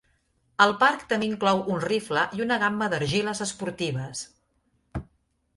El parc també inclou un rifle i una gamma d'argiles esportives.